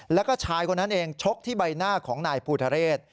แล้วก็ชายคนนั้นเองชกที่ใบหน้าของนายภูทะเรศ